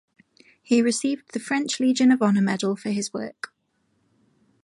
He received the French Legion of Honor medal for his work.